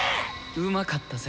うまかったぜ。